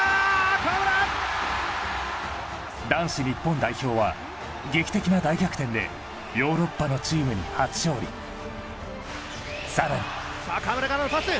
河村男子日本代表は劇的な大逆転でヨーロッパのチームに初勝利さらに河村からのパス